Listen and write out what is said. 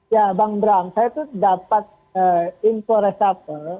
ya bang bram saya itu dapat info reshuffle